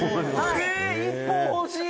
１本欲しい！」